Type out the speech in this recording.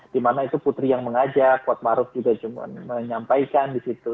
dimana itu putri yang mengajak kuat maruf juga cuma menyampaikan di situ